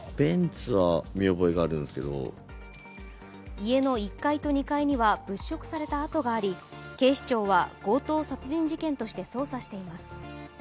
家の１階と２階には物色された跡があり警視庁は強盗殺人事件として捜査しています。